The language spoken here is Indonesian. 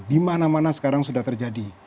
di mana mana sekarang sudah terjadi